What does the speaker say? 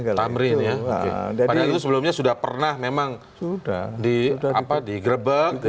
tamrin ya padahal itu sebelumnya sudah pernah memang digrebek